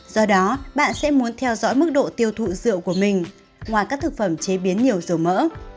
do đó bạn sẽ muốn theo dõi mức độ tiêu thụ rượu của mình ngoài các thực phẩm chế biến nhiều dầu mỡ